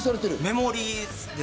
メモリーです。